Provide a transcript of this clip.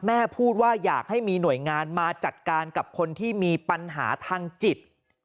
แม่พูดว่าอยากให้มีหน่วยงานมาจัดการกับคนที่มีปัญหาทางจิต